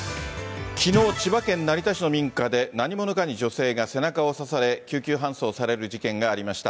きのう、千葉県成田市の民家で、何者かに女性が背中を刺され、救急搬送される事件がありました。